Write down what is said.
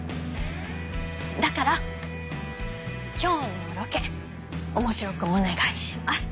だから今日のロケ面白くお願いします。